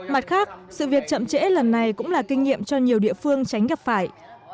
mặt khác sự việc chậm trễ lần này cũng là kinh nghiệm cho nhiều địa phương tránh gặp phải